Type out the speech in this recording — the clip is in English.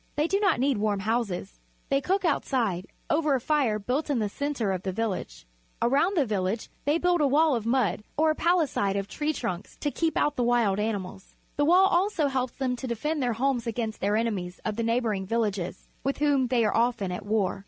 They do not need warm houses. They cook outside, over a fire built in the centre of the village. Around the village they build a wall of mud or a palisade of tree trunks to keep out 24 PUBLIC SCHOOL GEOGRAPHY the wild animals. The wall also helps them to defend their homes against their enemies of the neighbouring villages, with whom they are often at war.